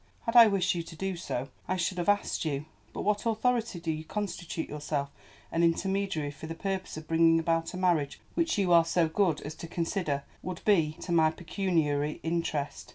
Had I wished you to do so I should have asked you. By what authority do you constitute yourself an intermediary for the purpose of bringing about a marriage which you are so good as to consider would be to my pecuniary interest?